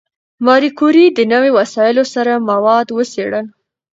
ماري کوري د نوي وسایلو سره مواد وڅېړل.